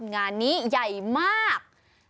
งานนี้ใหญ่มาก